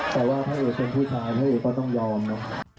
แต่ว่าถ้าเกิดเป็นผู้ชายพระเอกก็ต้องยอมนะ